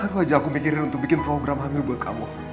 baru aja aku mikirin untuk bikin program hamil buat kamu